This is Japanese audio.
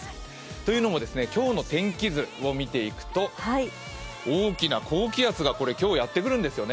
というのも、今日の天気図を見ていくと、大きな高気圧が今日やってくるんですよね。